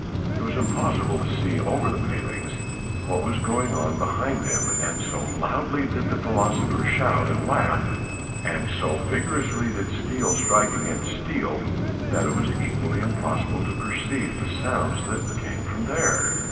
It was impossible to see over the palings what was going on behind them and so loudly did the philosopher shout and laugh, and so vigorously did steel strike against steel that it was equally impossible to perceive the sounds that came from there.